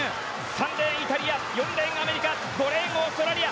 ３レーン、イタリア４レーン、アメリカ５レーン、オーストラリア。